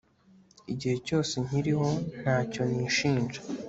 igihe cyose nkiriho nta cyo nishinja